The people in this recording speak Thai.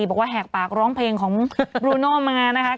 บอกว่าแหกปากร้องเพลงของบลูโน่มานะคะ